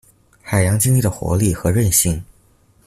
海洋經濟的活力和靭性